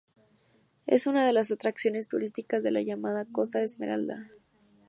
Es una de las atracciones turísticas de la llamada Costa de Esmeralda.